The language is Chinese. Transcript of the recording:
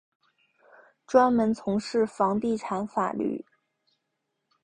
专门从事房地产法律。